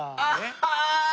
ああ！